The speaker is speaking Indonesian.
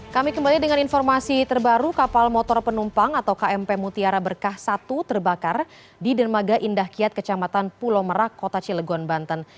kami kembali dengan informasi terbaru kapal motor penumpang atau kmp mutiara berkah satu terbakar di dermaga indah kiat kecamatan pulau merak kota cilegon banten